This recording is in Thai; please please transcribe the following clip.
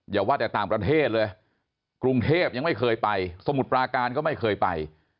อย่าว่าแต่ต่างประเทศเลยกรุงเทพยังไม่เคยไปสมุทรปราการก็ไม่เคยไป